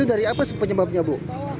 apa sih penyebabnya bu